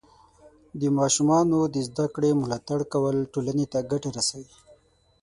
د ماشومانو د زده کړې ملاتړ کول ټولنې ته ګټه رسوي.